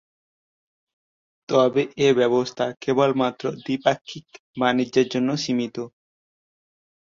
তবে এ ব্যবস্থা কেবলমাত্র দ্বিপাক্ষিক বাণিজ্যের জন্য সীমিত।